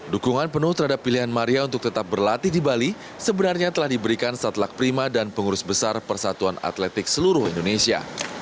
dukungan penuh terhadap pilihan maria untuk tetap berlatih di bali sebenarnya telah diberikan satlak prima dan pengurus besar persatuan atletik seluruh indonesia